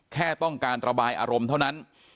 แค่ต้องการระบายอารมณ์เท่านั้น